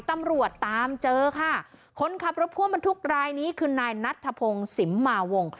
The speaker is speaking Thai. ตำรวจตามเจอค่ะคนขับรถพ่วงบรรทุกรายนี้คือนายนัทธพงศ์สิมมาวง